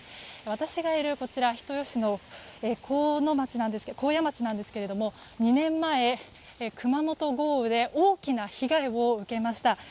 私がいる人吉市の紺屋町なんですが２年前、熊本豪雨で大きな被害を受けました。